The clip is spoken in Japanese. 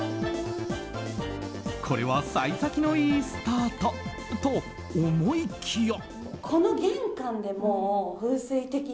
これは幸先のいいスタートと思いきや。